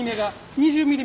２０ｍｍ？